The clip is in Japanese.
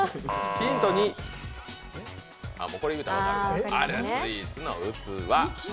ヒント２、あるスイーツの器。